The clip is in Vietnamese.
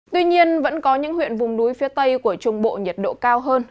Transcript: tuy nhiên vẫn có những huyện vùng núi phía tây của trung bộ nhiệt độ cao hơn